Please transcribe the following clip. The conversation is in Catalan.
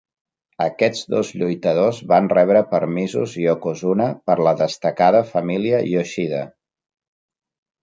Aquests dos lluitadors van rebre permisos "yokozuna" per la destacada família Yoshida.